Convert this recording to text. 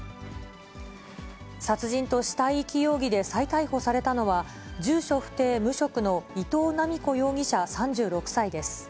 殺人と死体遺棄容疑で再逮捕されたのは、住所不定無職の伊藤七美子容疑者３６歳です。